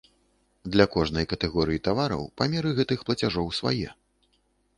Для кожнай катэгорыі тавараў памеры гэтых плацяжоў свае.